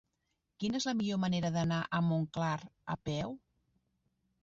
Quina és la millor manera d'anar a Montclar a peu?